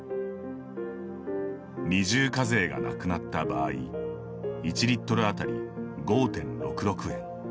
二重課税がなくなった場合１リットルあたり５．６６円。